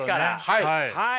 はい。